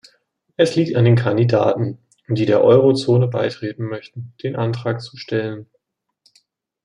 Es liegt an den Kandidaten, die der Euro-Zone beitreten möchten, den Antrag zu stellen.